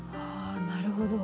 なるほど。